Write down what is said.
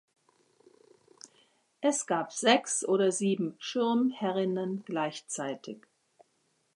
Es gab sechs oder sieben Schirmherrinnen gleichzeitig.